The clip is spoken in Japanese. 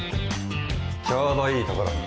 ちょうどいいところに。